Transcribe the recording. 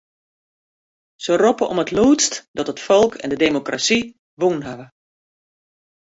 Se roppe om it lûdst dat it folk en de demokrasy wûn hawwe.